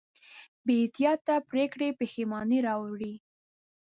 بېاحتیاطه پرېکړې پښېمانۍ راوړي.